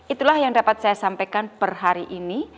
itulah yang dapat saya sampaikan per hari ini